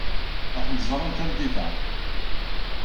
Ad tent-ẓren tameddit-a.